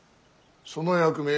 その役目